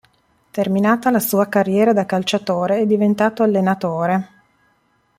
Terminata la sua carriera da calciatore è diventato allenatore.